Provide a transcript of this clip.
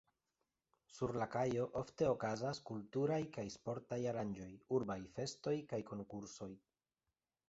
Sur la kajo ofte okazas kulturaj kaj sportaj aranĝoj, urbaj festoj kaj konkursoj.